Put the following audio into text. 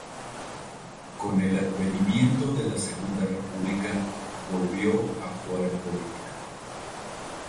Con el advenimiento de la Segunda República, volvió a actuar en política.